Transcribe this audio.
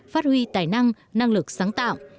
phát huy tài năng năng lực sáng tạo